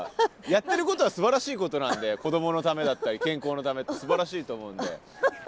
やってることはすばらしいことなんで子どものためだったり健康のためってすばらしいと思うんで。